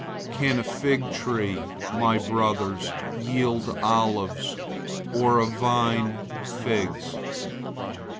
003:012 Can a fig tree, my brothers, yield olives, or a vine figs?